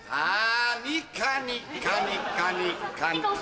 カニカニカニカニ。